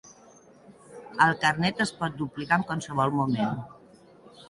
El carnet es pot duplicar en qualsevol moment.